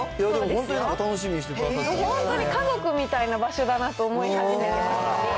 本当に家族みたいな場所だなと思い始めて。